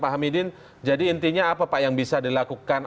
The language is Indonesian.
pak hamidin jadi intinya apa pak yang bisa dilakukan